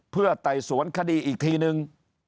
เพื่อไต่สวนคดีอีกทีนึง